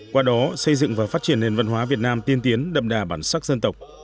qua đó xây dựng và phát triển nền văn hóa việt nam tiên tiến đậm đà bản sắc dân tộc